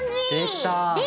できたね。